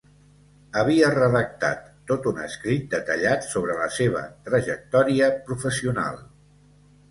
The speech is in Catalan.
Havia redactat tot un escrit detallat sobre la seva trajectòria professional!